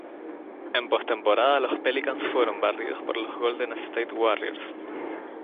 En postemporada, los Pelicans fueron barridos por los Golden State Warriors.